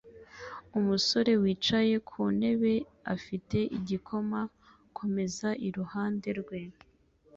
umusore wicaye ku ntebe afite igikoma kumeza iruhande rwe